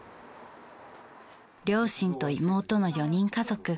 両親と妹の４人家族。